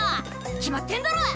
決まってんだろ！